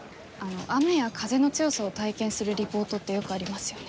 雨や風の強さを体験するリポートってよくありますよね。